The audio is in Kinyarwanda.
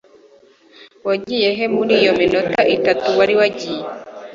Wagiye he muri iyo minota itatu wari wagiye